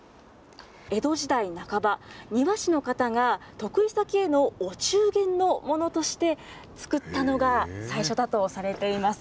江戸時代半ば、庭師の方が得意先へのお中元のものとして作ったのが最初だとされています。